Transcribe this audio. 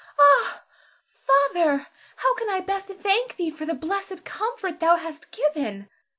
Ah, Father, how can I best thank thee for the blessed comfort thou hast given?